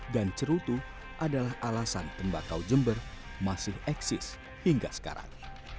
dan cerutu adalah alasan tembakau jember masih eksis hingga sekarang